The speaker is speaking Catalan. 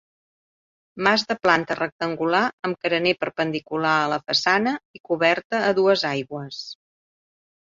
Mas de planta rectangular amb carener perpendicular a la façana i coberta a dues aigües.